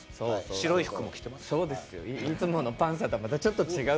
白い服も着てます。